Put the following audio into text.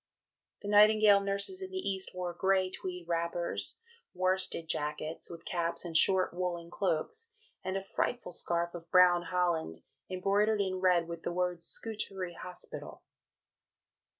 " The Nightingale nurses in the East wore "grey tweed wrappers, worsted jackets, with caps and short woollen cloaks, and a frightful scarf of brown holland, embroidered in red with the words, 'Scutari Hospital.'"